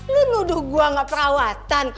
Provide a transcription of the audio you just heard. lu nuduh gua gak perawatan